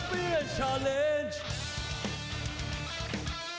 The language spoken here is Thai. ตอนนี้มันถึงมวยกู้ที่๓ของรายการ